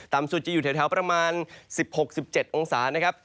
สุดจะอยู่แถวประมาณ๑๖๑๗องศานะครับ